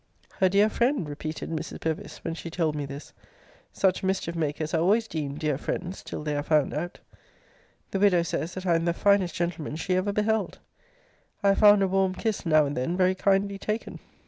Her dear friend! repeated Mrs. Bevis, when she told me this: such mischief makers are always deemed dear friends till they are found out! The widow says that I am the finest gentleman she ever beheld. I have found a warm kiss now and then very kindly taken.